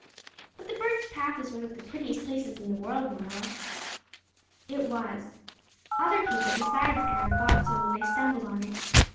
But the Birch Path is one of the prettiest places in the world, Marilla." It was. Other people besides Anne thought so when they stumbled on it.